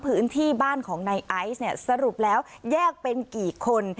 พื้นที่บ้านของในไอซ์เนี่ยสรุปแล้วแยกเป็นกี่คน